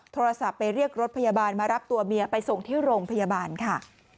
โทรศัพท์ไปเรียกรถพยาบาลมารับตัวเมียไปส่งที่โรงพยาบาลค่ะ